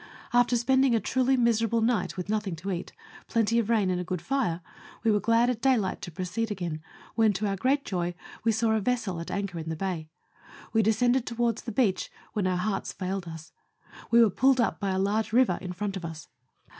After spending a truly miserable night, with nothing to eat, plenty of rain, and a good fire, we were glad at daylight to proceed again, when, to our great joy, we saw a vessel at anchor in the bay. We descended towards the beach, when our hearts failed us. We were pulled up by a large river in front of us.